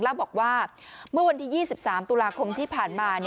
เล่าบอกว่าเมื่อวันที่๒๓ตุลาคมที่ผ่านมา